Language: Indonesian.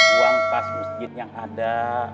uang kasus yang ada